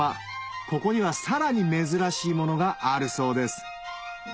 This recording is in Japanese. ここにはさらに珍しいものがあるそうです